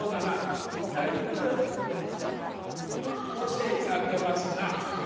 「だいぶご精が出ますな」。